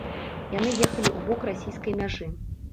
Яны ехалі ў бок расійскай мяжы.